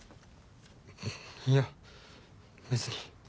いや別に。